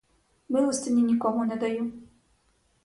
Милостині нікому не даю.